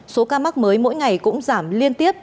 số ca mắc mới mỗi ngày cũng giảm liên tiếp